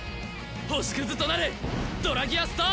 星屑となれドラギアスター